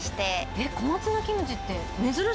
えっ、小松菜キムチって珍し